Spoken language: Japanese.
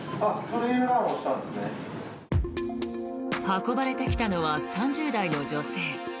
運ばれてきたのは３０代の女性。